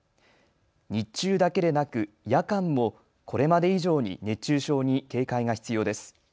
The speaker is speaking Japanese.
日中だけでなく夜間もこれまで以上に熱中症に警戒が必要です。